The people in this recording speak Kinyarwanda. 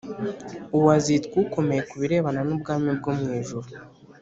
Uwo azitwa ukomeye ku birebana n ubwami bwo mu ijuru